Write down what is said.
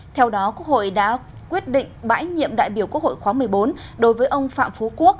theo đó quốc hội đã quyết định bãi nhiệm đại biểu quốc hội khóa một mươi bốn đối với ông phạm phú quốc